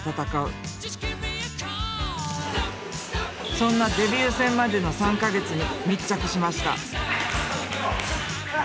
そんなデビュー戦までの３か月に密着しました。